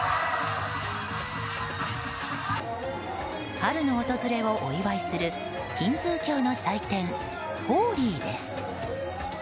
春の訪れをお祝いするヒンズー教の祭典、ホーリーです。